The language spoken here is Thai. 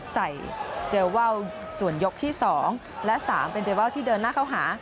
ใส่เจว่็ลส่วนยกที่สองและสามเป็นเจว่ถี่เดินหน้าเข้าหา